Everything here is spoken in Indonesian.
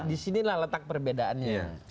disinilah letak perbedaannya